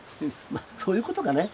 まあそういうことかね。